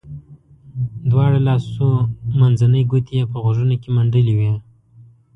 دواړو لاسو منځنۍ ګوتې یې په غوږونو کې منډلې وې.